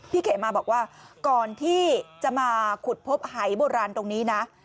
เขมาบอกว่าก่อนที่จะมาขุดพบหายโบราณตรงนี้นะ